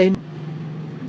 sekarang kan nggak jelas ya